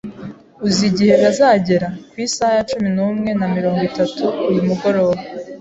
"Uzi igihe bazagera?" "Ku isaha ya cumi n'umwe na mirongo itatu uyu mugoroba."